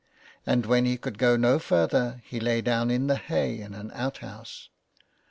And when he could go no further he lay down in the hay in an outhouse.